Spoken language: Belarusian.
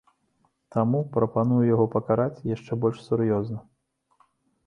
Таму прапаную яго пакараць яшчэ больш сур'ёзна.